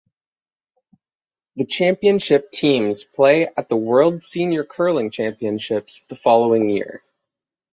The championship teams play at the World Senior Curling Championships the following year.